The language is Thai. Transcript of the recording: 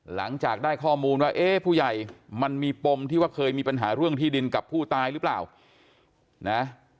หลังจากได้ข้อมูลว่าเอ๊ะผู้ใหญ่มันมีปมที่ว่าเคยมีปัญหาเรื่องที่ดินกับผู้ตายหรือเปล่านะ